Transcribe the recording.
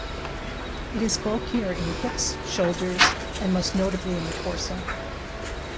It is bulkier in hips, shoulders, and most notably in the torso.